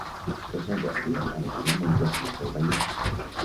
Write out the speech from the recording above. Per Sant Jordi anirem a Montornès del Vallès.